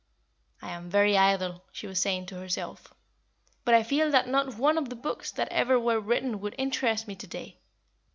"I am very idle," she was saying to herself, "but I feel that not one of the books that ever were written would interest me to day.